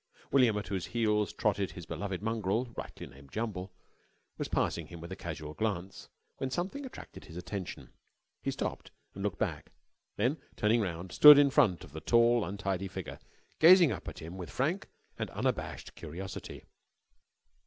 William, at whose heels trotted his beloved mongrel (rightly named Jumble), was passing him with a casual glance, when something attracted his attention. He stopped and looked back, then, turning round, stood in front of the tall, untidy figure, gazing up at him with frank and unabashed curiosity.